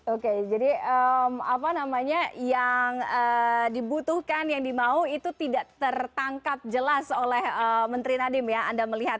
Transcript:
oke jadi apa namanya yang dibutuhkan yang dimau itu tidak tertangkap jelas oleh menteri nadiem ya anda melihat